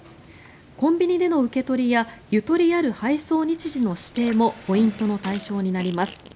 コンビニでの受け取りやゆとりある配送日時の指定もポイントの対象になります。